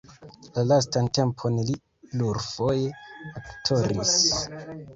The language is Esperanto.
La lastan tempon li plurfoje aktoris.